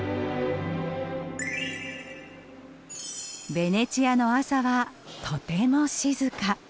ベネチアの朝はとても静か。